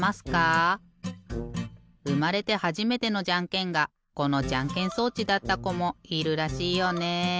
うまれてはじめてのじゃんけんがこのじゃんけん装置だったこもいるらしいよね。